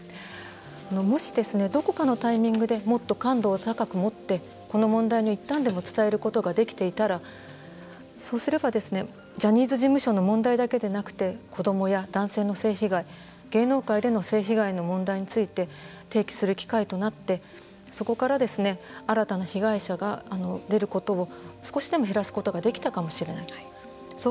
もしどこかのタイミングでもっと感度を高く持ってこの問題のいったんでも伝えることができていたらそうすればジャニーズ事務所の問題だけでなくて子どもや男性の性被害芸能界での性被害の問題について提起する機会となってそこから新たな被害者が出ることを少しでも減らすことができたかもしれないそう